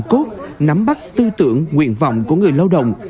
tổ đã được liên toàn lao động thành phố nắm bắt tư tưởng nguyện vọng của người lao động